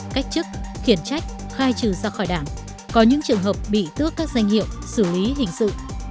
cách chức khiển trách khai trừ ra khỏi đảng có những trường hợp bị tước các danh hiệu xử lý hình sự